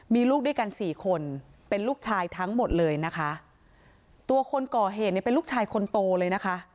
มีลูกด้วยกันสี่คนเป็นลูกชายทั้งหมดเลยนะคะตัวคนก่อเหตุเนี่ยเป็นลูกชายคนโตเลยนะคะ